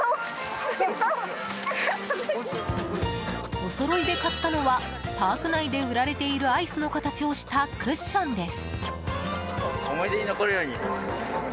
おそろいで買ったのはパーク内で売られているアイスの形をしたクッションです。